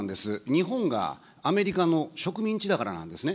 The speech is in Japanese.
日本がアメリカの植民地だからなんですね。